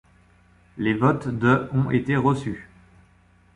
Les votes de ont été reçus.